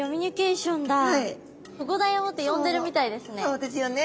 そうですよね。